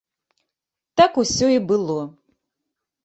Так усё і было.